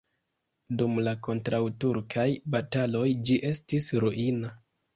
Dum la kontraŭturkaj bataloj ĝi estis ruina.